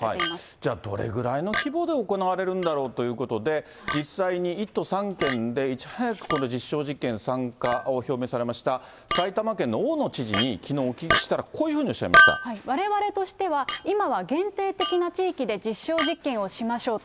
じゃあ、どれぐらいの規模で行われるんだろうということで、実際に、１都３県でいち早くこの実証実験参加を表明された、埼玉県の大野知事にきのうお聞きしたら、われわれとしては、今は限定的な地域で実証実験をしましょうと。